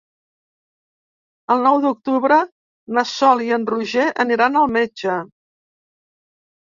El nou d'octubre na Sol i en Roger aniran al metge.